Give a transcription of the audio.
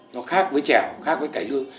nó khác với chẻo khác với cải lương